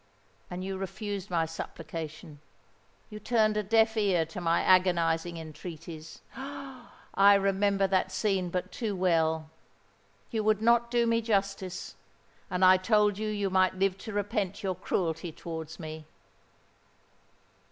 And you refused my supplication—you turned a deaf ear to my agonising entreaties. Oh! I remember that scene but too well. You would not do me justice—and I told you that you might live to repent your cruelty towards me!"